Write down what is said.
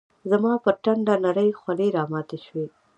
زما پر ټنډه نرۍ خولې راماتي شوې